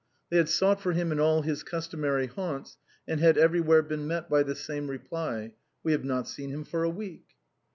They had sought for him in all his customary haunts, and had everywhere been met by the same reply —" We have not seen him for a week."